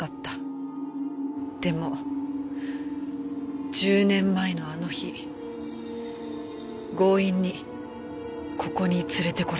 でも１０年前のあの日強引にここに連れてこられた。